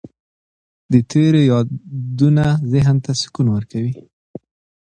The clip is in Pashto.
د تېرو یادونه ذهن ته سکون ورکوي.